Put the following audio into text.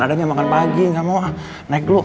adanya makan pagi gak mau ah naik dulu